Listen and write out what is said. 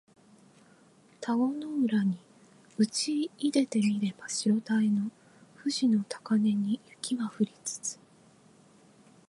田子の浦にうちいでて見れば白たへの富士の高嶺に雪は降りつつ